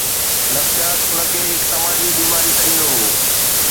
نفسيات ان کي هڪ سماجي بيماري سڏيندو هو.